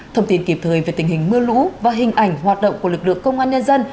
thông tin kịp thời về tình hình mưa lũ và hình ảnh hoạt động của lực lượng công an nhân dân